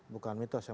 bukan mitos ya